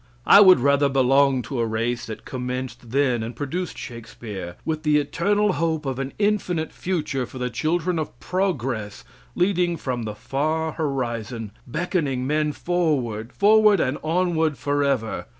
I would rather belong to a race that commenced then, and produced Shakespeare, with the eternal hope of an infinite future for the children of progress leading from the far horizon, beckoning men forward forward and onward forever.